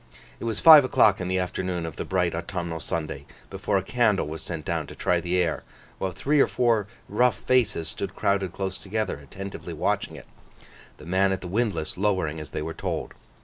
It was five o'clock in the afternoon of the bright autumnal Sunday, before a candle was sent down to try the air, while three or four rough faces stood crowded close together, attentively watching it: the man at the windlass lowering as they were told.